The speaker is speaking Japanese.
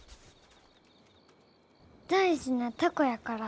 大事な凧やから。